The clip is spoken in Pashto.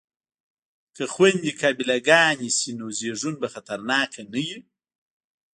که خویندې قابله ګانې شي نو زیږون به خطرناک نه وي.